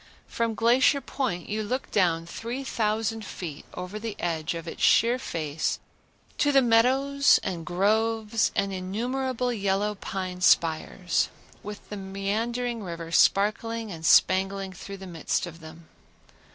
From Glacier Point you look down 3000 feet over the edge of its sheer face to the meadows and groves and innumerable yellow pine spires, with the meandering river sparkling and spangling through the midst of them.